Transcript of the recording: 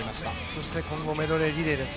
そして混合メドレーリレーです。